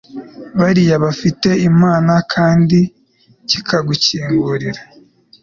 bari bafitiye Imana, kandi kigakingurira